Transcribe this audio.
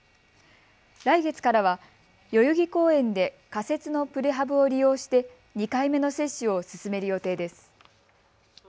来月からは代々木公園で仮設のプレハブを利用して２回目の接種を進める予定です。